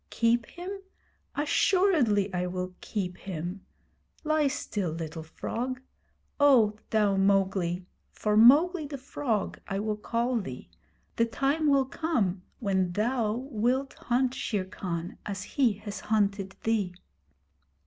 Keep him? Assuredly I will keep him. Lie still, little frog. O thou Mowgli for Mowgli the Frog I will call thee the time will come when thou wilt hunt Shere Khan as he has hunted thee.'